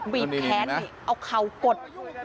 วิ่งแค้นเอาเข่ากด